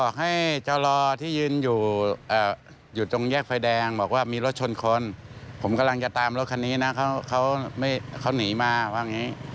ให้จอรอที่ยืนอยู่ตรงแยกไฟแดงบอกว่ามีรถชนคนผมกำลังจะตามรถคันนี้นะเขาหนีมาว่าอย่างนี้